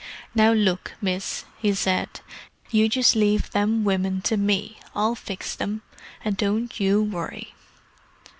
"Now look, miss," he said. "You just leave them women to me; I'll fix them. And don't you worry."